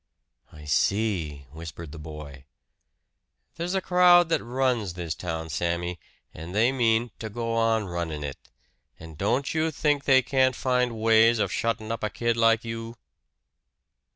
"I see," whispered the boy. "There's a crowd that runs this town, Sammy; and they mean to go on runnin' it. And don't you think they can't find ways of shuttin' up a kid like you!"